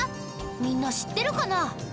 みんな知ってるかな？